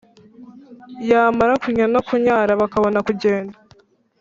yamara kunnya no kunyara bakabona kugenda